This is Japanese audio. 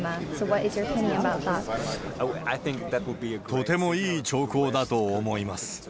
とてもいい兆候だと思います。